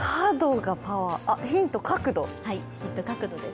ヒントは角度です。